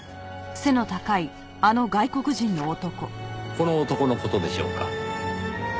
この男の事でしょうか？